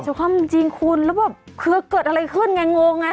คว่ำจริงคุณแล้วแบบคือเกิดอะไรขึ้นไงงงไง